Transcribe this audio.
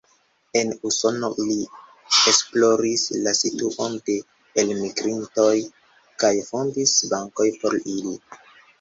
En Usono li esploris la situon de elmigrintoj kaj fondis bankon por ili.